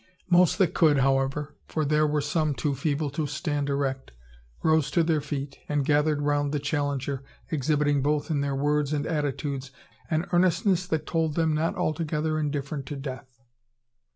Most that could, however, for there were some too feeble to stand erect, rose to their feet, and gathered around the challenger, exhibiting both in their words and attitudes, an earnestness that told them not altogether indifferent to death.